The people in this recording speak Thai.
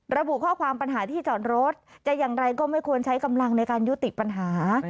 ระบุข้อความปัญหาที่จอดรถจะอย่างไรก็ไม่ควรใช้กำลังในการยุติปัญหา